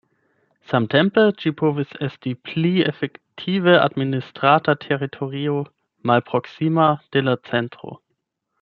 Samtempe ĝi povis esti pli efektive administrata teritorio malproksima de la centro.